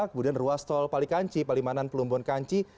kemudian ruas tol palikanci palimanan pelumbon kanci